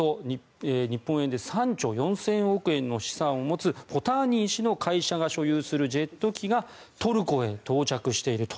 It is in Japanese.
日本円でおよそ３兆４０００億円の資産を持つポターニン氏の会社が所有するジェット機がトルコへ到着していると。